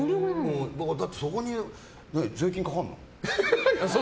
だって、そこに税金かかるの？